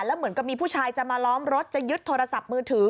แล้วเหมือนกับมีผู้ชายจะมาล้อมรถจะยึดโทรศัพท์มือถือ